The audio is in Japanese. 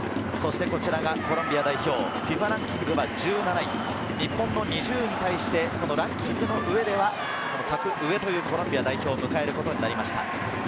こちらがコロンビア代表、ＦＩＦＡランキングは１７位、日本の２０位に対してランキングの上では格上というコロンビア代表を迎えることになりました。